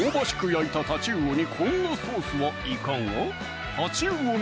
焼いた太刀魚にこんなソースはいかが？